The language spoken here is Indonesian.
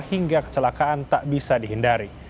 hingga kecelakaan tak bisa dihindari